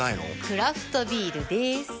クラフトビールでーす。